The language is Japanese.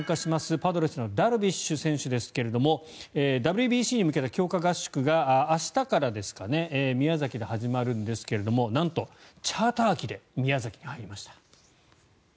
パドレスのダルビッシュ選手ですがＷＢＣに向けた強化合宿が明日から宮崎で始まるんですがなんとチャーター機で宮崎に入りました。